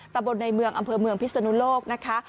ตะบนในเมืองอำเภอเมืองพิศนุโลกนะคะ